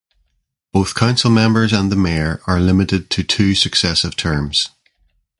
Both council members and the mayor are limited to two successive terms.